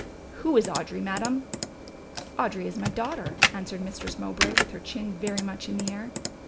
"Who is Audry, madam?" "Audry is my daughter," answered Mistress Mowbray with her chin very much in the air.